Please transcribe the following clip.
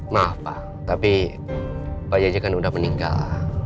maaf pak tapi pak jajah kan udah meninggal